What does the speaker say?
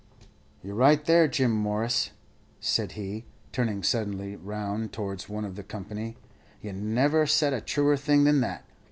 "You're right, there, Jim Morris," said he, turning suddenly round towards one of the company; "you never said a truer thing than that.